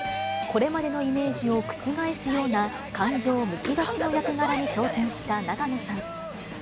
これまでのイメージを覆すような感情むき出しの役柄に挑戦した永野さん。